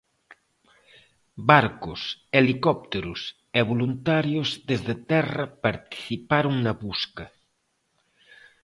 Barcos, helicópteros e voluntarios desde terra participaron na busca.